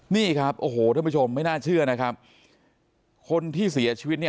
นี่ครับโอ้โหท่านผู้ชมไม่น่าเชื่อนะครับคนที่เสียชีวิตเนี่ย